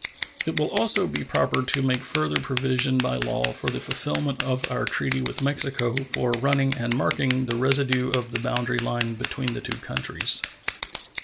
It will also be proper to make further provision by law for the fulfillment of our treaty with Mexico for running and marking the residue of the boundary line between the two countries.